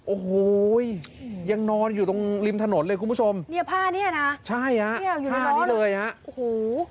โอ้โหยังนอนอยู่ตรงริมถนนเลยคุณผู้ชมเนี่ยผ้าเนี้ยนะใช่ฮะเนี่ยอยู่ผ้านี้เลยฮะโอ้โห